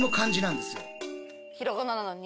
ひらがななのに？